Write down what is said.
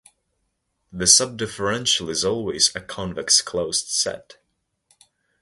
The subdifferential is always a convex closed set.